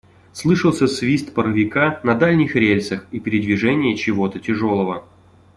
Слышался свист паровика на дальних рельсах и передвижение чего-то тяжелого.